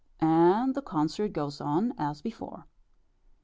] And the concert goes on as before.